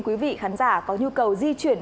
quý vị khán giả có nhu cầu di chuyển